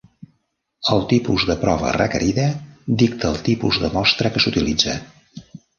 El tipus de prova requerida dicta el tipus de mostra que s'utilitza.